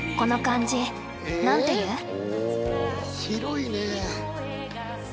広いね！